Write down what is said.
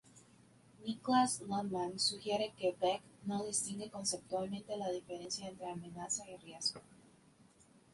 Niklas Luhmann sugiere que Beck no distingue conceptualmente la diferencia entre amenaza y riesgo.